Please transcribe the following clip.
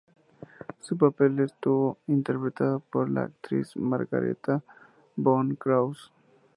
Su papel estuvo interpretado por la actriz Margareta von Krauss.